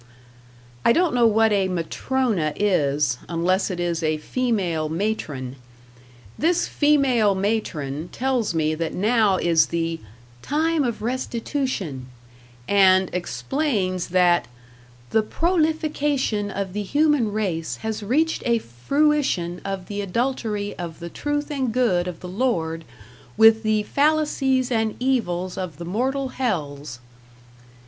I don't know what a "Matrona" is unless it is a female matron. This female matron tells me that now is the "Time of Restitution", and explains that "the prolification of the human race has reached a fruition of the adultery of the truth and good of the Lord with the fallacies and evils of the mortal hells"